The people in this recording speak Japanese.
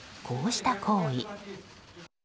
こうした行為。